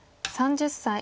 ３０歳。